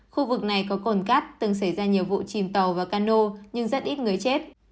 khu vực này có cồn cát từng xảy ra nhiều vụ chìm tàu và cano nhưng rất ít người chết